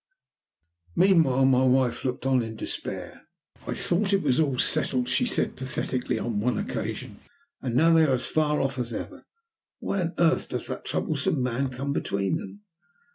Meanwhile my wife looked on in despair. "I thought it was all settled," she said pathetically, on one occasion, "and now they are as far off as ever. Why on earth does that troublesome man come between them?"